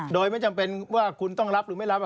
โดยไม่จำเป็นว่าคุณต้องรับหรือไม่รับ